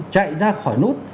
chạy ra khỏi nút